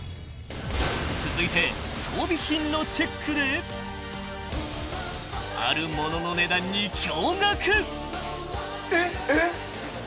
［続いて装備品のチェックである物の値段に驚愕］